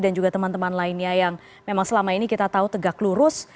dan juga teman teman lainnya yang memang selama ini kita tahu tegak lurus